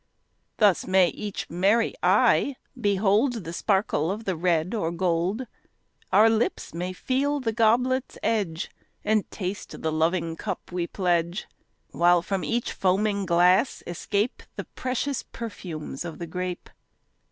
Thus may each merry eye behold The sparkle of the red or gold. Our lips may feel the goblet's edge And taste the loving cup we pledge. While from each foaming glass escape The precious perfumes of the grape.